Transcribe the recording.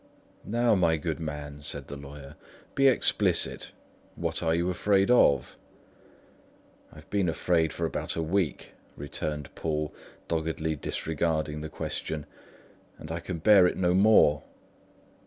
"Now, my good man," said the lawyer, "be explicit. What are you afraid of?" "I've been afraid for about a week," returned Poole, doggedly disregarding the question, "and I can bear it no more."